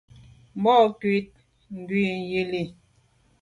Bon nkùt nku yi li.